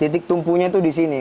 titik tumpunya itu di sini